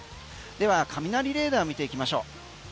では、雷レーダーを見ていきましょう。